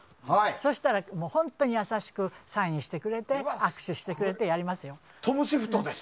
そうしたら、本当に優しくサインをしてくれて握手をしてくれてってやりますよ。